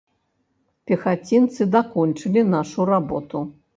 Пехацінцы дакончылі нашу работу.